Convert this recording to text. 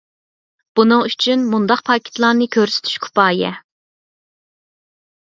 بۇنىڭ ئۈچۈن مۇنداق پاكىتلارنى كۆرسىتىش كۇپايە.